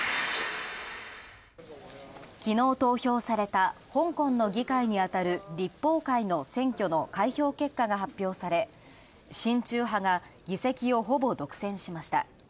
きのう投票された香港の議会にあたる立法会の選挙の開票結果が発表され、親中派が議席をほぼ独占しました。